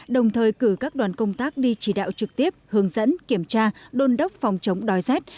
đồng thời cử các đoàn công tác đi chỉ đạo trực tiếp hướng dẫn kiểm tra đôn đốc phòng chống đói rét